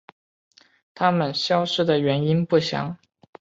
它们消失的原因不详。